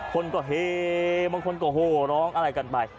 คนก็เฮบางคนก็โหร้องอะไรกันไป